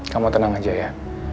kamu tenang aja ya